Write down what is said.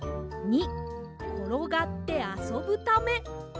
②ころがってあそぶため。